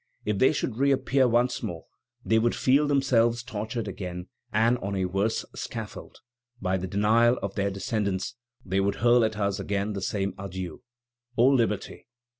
If they should reappear once more, they would feel themselves tortured again, and on a worse scaffold, by the denial of their descendants; they would hurl at us again the same adieu: 'O Liberty!